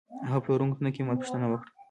هغه له پلورونکي نه قیمت پوښتنه وکړه.